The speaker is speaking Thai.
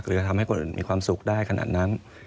จะทำให้คนอื่นมีความสุขได้ขนาดนั้น